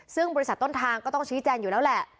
ซึ่งบริษัทต้นทางก็ต้องชี้แจงอยู่แล้วแหละ